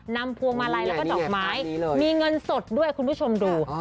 พวงมาลัยแล้วก็ดอกไม้มีเงินสดด้วยคุณผู้ชมดู